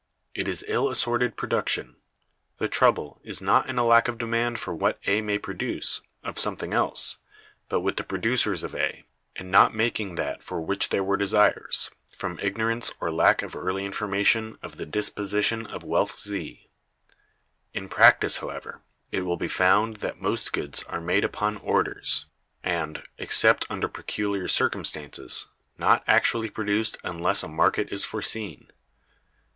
It is ill assorted production. The trouble is not in a lack of demand for what A may produce (of something else), but with the producers of A in not making that for which there were desires, from ignorance or lack of early information of the disposition of wealth Z. In practice, however, it will be found that most goods are made upon "orders," and, except under peculiar circumstances, not actually produced unless a market is foreseen.